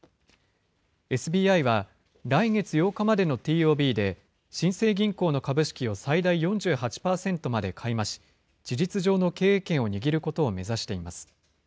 ＳＢＩは、来月８日までのＴＯＢで、新生銀行の株式を最大４８％まで買い増し、事実上の経営権を握ることを目指しています。